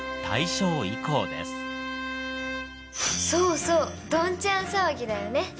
そうそう「どんちゃん騒ぎ」だよね。